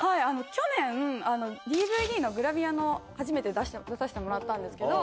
去年ＤＶＤのグラビアの初めて出させてもらったんですけど。